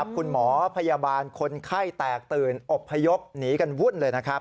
คุณหมอพยาบาลคนไข้แตกตื่นอบพยพหนีกันวุ่นเลยนะครับ